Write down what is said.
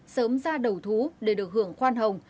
sớm ra đầu thú để được hưởng khoan hồng